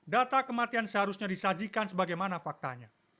data kematian seharusnya disajikan sebagaimana faktanya